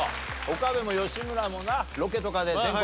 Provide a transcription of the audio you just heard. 岡部も吉村もなロケとかで全国